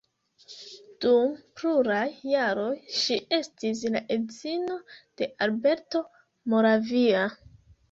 Dum pluraj jaroj ŝi estis la edzino de Alberto Moravia.